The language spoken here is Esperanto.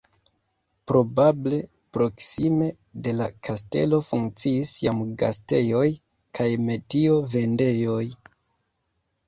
Probable proksime de la kastelo funkciis jam gastejoj kaj metio-vendejoj.